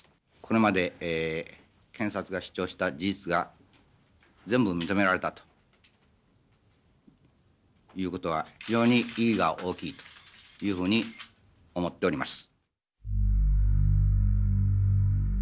これまで検察が主張した事実が全部認められたという事は非常に意義が大きいというふうに思っております。